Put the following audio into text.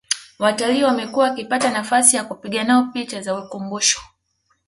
Watalii wamekuwa wakipata nafasi ya kupiga nao picha za ukumbusho